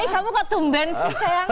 kamu kok tumben sih sayang